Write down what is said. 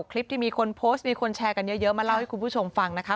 คลิปที่มีคนโพสต์มีคนแชร์กันเยอะมาเล่าให้คุณผู้ชมฟังนะคะ